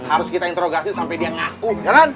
harus kita interogasi sampai dia ngaku